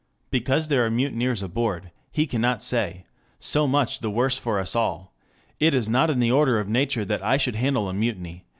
Because there are mutineers aboard, he cannot say: so much the worse for us all... it is not in the order of nature that I should handle a mutiny...